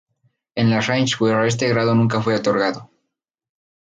En las Reichswehr este grado nunca fue otorgado.